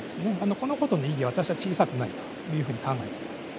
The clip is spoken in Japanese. このことの意義は私は小さくないと考えています。